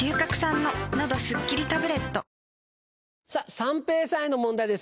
三平さんへの問題です